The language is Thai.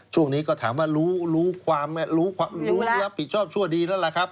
ช่วงนี้ก็ถามว่ารู้แล้วผิดชอบชั่วดีแล้วละครับ